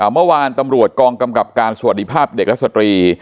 เมื่อวานตำรวจกองกำกับการสวัสดีภาพเด็กและสตรี